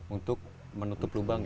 untuk menutup lubangnya